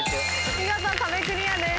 見事壁クリアです。